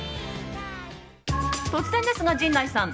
突然ですが陣内さん